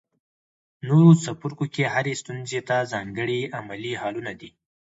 نورو څپرکو کې هرې ستونزې ته ځانګړي عملي حلونه دي.